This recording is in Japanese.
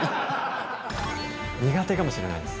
苦手かもしれないです。